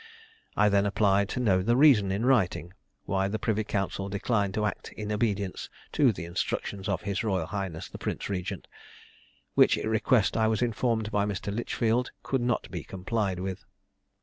I then applied to know the reason in writing, why the privy council declined to act in obedience to the instructions of his royal highness the Prince Regent; which request I was informed by Mr. Litchfield could not be complied with.